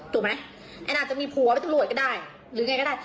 ตรงไหนแอดอาจจะมีพ่อไปดำรวจก็ได้